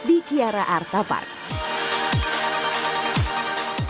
di kiara arta park